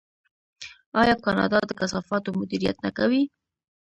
آیا کاناډا د کثافاتو مدیریت نه کوي؟